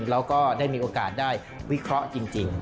แล้วก็ได้มีโอกาสได้วิเคราะห์จริง